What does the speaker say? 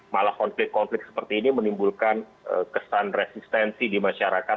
malah konflik konflik seperti ini menimbulkan kesan resistensi di masyarakat